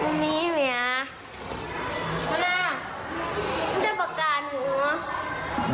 บอมมี่ไหมน้องหาเห็นแปลกกาหนูก่อน